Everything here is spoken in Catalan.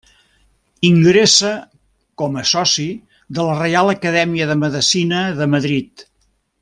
Ingressa com a soci de la Reial Acadèmia de Medicina de Madrid.